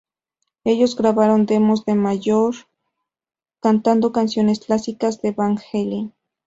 Ellos grabaron demos de Malloy cantando canciones clásicas de Van Halen.